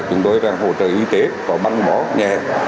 còn không bỏ ác đang ở trên thờ mỹ việt tức là lúc bảy h ba mươi tháng này